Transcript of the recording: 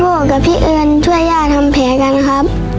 พ่อตกกลางคืนก็หายใจไม่ออกจะมันแนะนระอบ